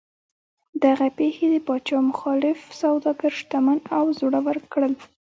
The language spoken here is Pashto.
دغې پېښې د پاچا مخالف سوداګر شتمن او زړور کړل.